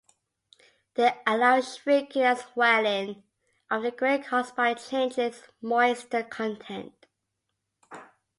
They allow shrinking and swelling of the grain caused by changes in moisture content.